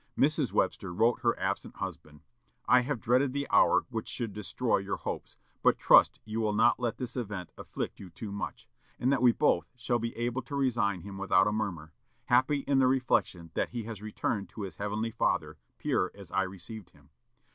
Mrs. Webster wrote her absent husband, "I have dreaded the hour which should destroy your hopes, but trust you will not let this event afflict you too much, and that we both shall be able to resign him without a murmur, happy in the reflection that he has returned to his Heavenly Father pure as I received him....